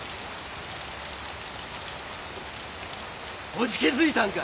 おじけづいたんか？